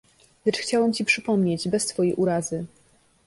Lecz chciałem ci przypomnieć, bez twojej urazy